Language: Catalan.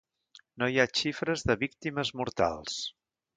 No hi ha xifres de víctimes mortals.